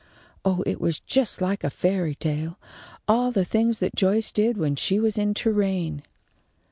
Oh, it was just like a fairy tale, all the things that Joyce did when she was in Touraine."